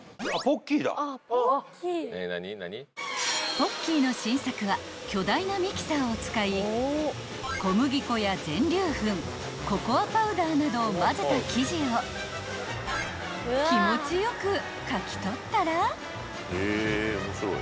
［ポッキーの新作は巨大なミキサーを使い小麦粉や全粒粉ココアパウダーなどを混ぜた生地を気持ち良くかき取ったら］